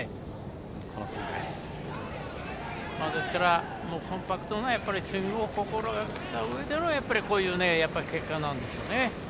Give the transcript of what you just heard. ですから、コンパクトなスイングを心がけたうえでのこういう結果なんですよね。